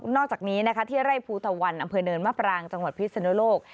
นอกจากนี้เที่ยวไร่ภูตวรรณอำเภอเนินมาปรังจังหวัดพิศนโลก